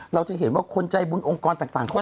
เราจะเห็นว่าคนใจบุญองค์กรต่างเขาออกไปช่วย